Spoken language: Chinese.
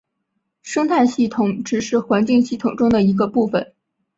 生态系统只是环境系统中的一个部分。